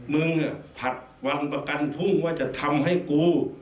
มึงผัดวันประกันทุ่งว่าจะทำให้กู